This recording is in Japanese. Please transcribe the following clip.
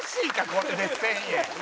これで１０００円。